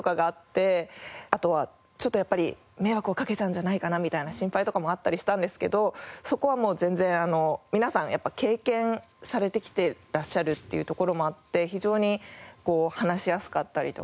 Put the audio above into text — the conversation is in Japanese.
あとはちょっとやっぱり迷惑をかけちゃうんじゃないかなみたいな心配とかもあったりしたんですけどそこはもう全然皆さんやっぱ経験されてきてらっしゃるっていうところもあって非常に話しやすかったりとか。